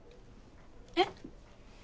えっ？